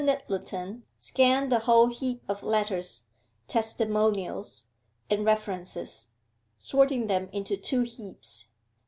Nyttleton scanned the whole heap of letters, testimonials, and references, sorting them into two heaps.